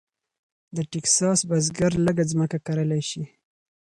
د ټیکساس بزګر لږه ځمکه کرلی شي.